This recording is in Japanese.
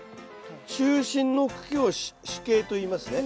中心の茎を主茎といいますね。